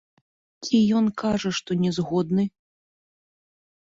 Ці ён кажа, што не згодны.